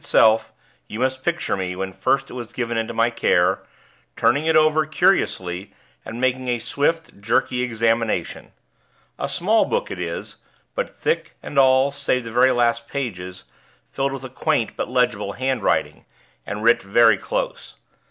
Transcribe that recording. itself You must picture me, when first it was given into my care, turning it over, curiously, and making a swift, jerky examination. A small book it is; but thick, and all, save the last few pages, filled with a quaint but legible handwriting, and writ very close.